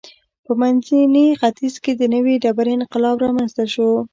په منځني ختیځ کې د نوې ډبرې انقلاب رامنځته شو.